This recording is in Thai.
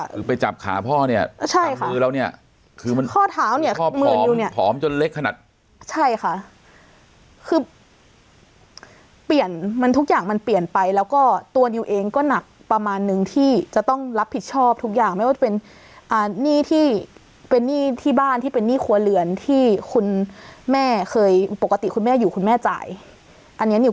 คือไปจับขาพ่อเนี้ยใช่ค่ะจับมือแล้วเนี้ยคือมันข้อเท้าเนี้ย